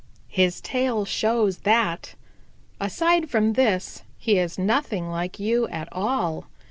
"His tail shows that. Aside from this, he is nothing like you at all.